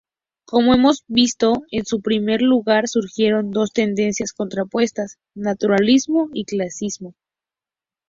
Como hemos visto, en un primer lugar surgieron dos tendencias contrapuestas, naturalismo y clasicismo.